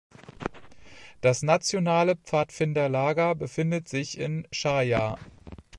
Das nationale Pfadfinderlager befindet sich in Sharjah.